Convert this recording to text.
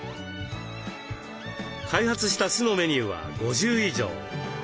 開発した酢のメニューは５０以上。